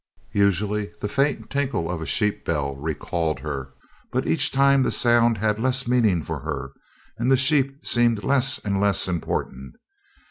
Usually the faint tinkle of a sheep bell recalled her, but each time the sound had less meaning for her, and the sheep seemed less and less important.